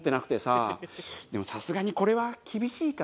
でもさすがにこれは厳しいか。